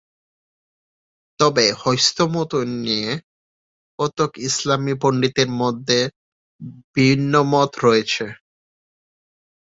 তবে হস্তমৈথুন নিয়ে কতক ইসলামী পণ্ডিতের মধ্যে ভিন্নমত রয়েছে।